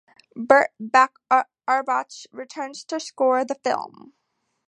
Burt Bacharach returns to score the film.